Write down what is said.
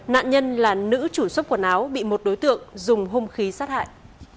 nạn nhân là nữ chủ sốc quần áo bị một đối tượng dùng hung khí sát hại